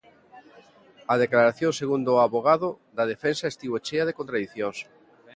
A declaración, segundo o avogado da defensa, estivo chea de contradicións.